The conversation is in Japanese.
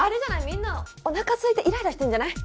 みんなおなかすいてイライラしてんじゃない？